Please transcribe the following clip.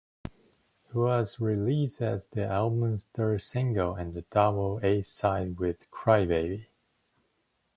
It was released as the album's third single and a double A-side with "Crybaby".